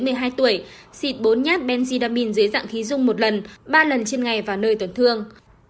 xúc miệng một mươi sáu tuổi xịt bốn nhát benzidamine dưới dạng khí dung một lần ba lần trên ngày và nơi tuần thương